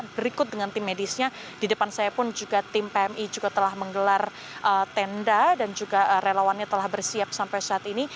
berikut dengan tim medisnya di depan saya pun juga tim pmi juga telah menggelar tenda dan juga relawannya telah bersiap sampai saat ini